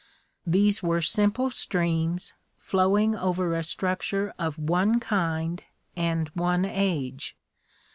These were simple streams, flowing over a structure of one kind and one age.